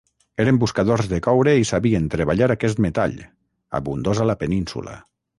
Eren buscadors de coure i sabien treballar aquest metall, abundós a la península.